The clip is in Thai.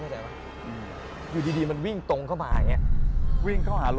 คือมะหูเป็นครั้งแรกที่ผมไม่รู้ว่าคนนั้นไหนผีตอนแรก